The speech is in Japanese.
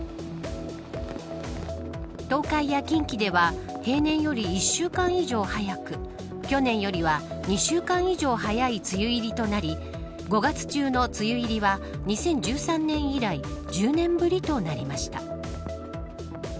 東海や近畿では平年より１週間以上早く去年よりは２週間以上早い梅雨入りとなり５月中の梅雨入りは２０１３年以来１０年ぶりとなりました。